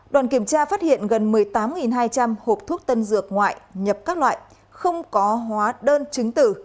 đoàn kiểm tra phát hiện gần một mươi tám hai trăm linh hộp thuốc tân dược ngoại nhập các loại không có hóa đơn chứng tử